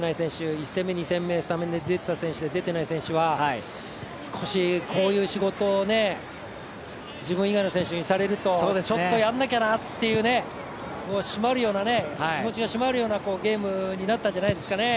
１戦目、２戦目スタメンで出てない選手は少し、こういう仕事を自分以外の選手にされるとちょっと、やらなきゃなって気持ちが締まるようなゲームになったんじゃないですかね。